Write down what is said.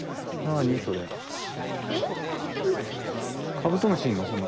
カブトムシいんの？